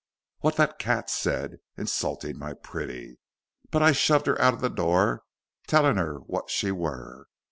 "What that cat said, insulting of my pretty. But I shoved her out of the door, tellin' her what she were.